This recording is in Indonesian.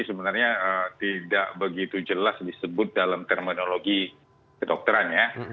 sebenarnya tidak begitu jelas disebut dalam terminologi kedokterannya